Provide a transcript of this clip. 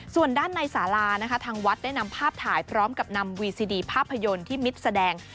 ส่วนด้านในสารานะคะทางวัดได้นำภาพถ่ายพร้อมกับนำวีซีดีภาพยนตร์ที่มิตรแสดง